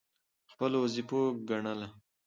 خپله وظیفه ګڼله.